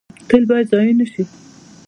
تیل باید ضایع نشي